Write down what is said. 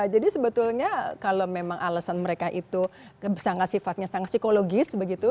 jadi sebetulnya kalau memang alasan mereka itu sangat sifatnya sangat psikologis begitu